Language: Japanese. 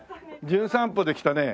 『じゅん散歩』で来たね